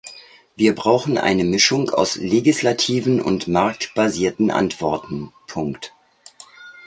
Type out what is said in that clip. Wir brauchen eine Mischung aus legislativen und marktbasierten Antworten.